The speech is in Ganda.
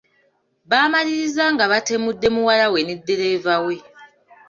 Baamaliriza nga batemudde muwala we ne ddereeva we.